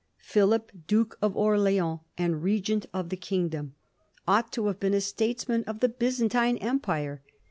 Philip, Duke of Orleans and Begent of the kingdom, ought to have been a statesman of the Byzantine Empire.